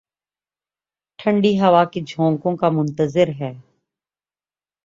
ٹھنڈی ہوا کے جھونکوں کا منتظر ہے